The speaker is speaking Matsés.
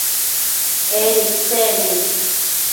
En isec nid